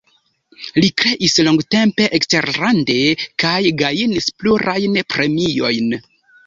Li kreis longtempe eksterlande kaj gajnis plurajn premiojn.